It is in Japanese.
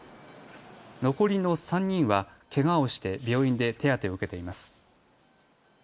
残りの３人はけがをして病院で手当てを受けています。